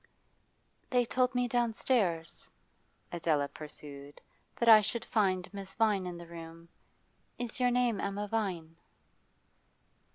'They told me downstairs,' Adela pursued, 'that I should find Miss Vine in the room. Is your name Emma Vine?